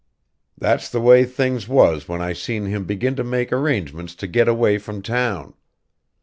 "That's the way things was when I seen him begin to make arrangements to get away from town.